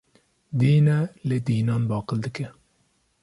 Dîn e lê dînan baqil dike